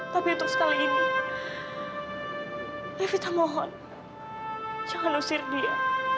tapi untuk sekali ini evita mohon jangan usir dia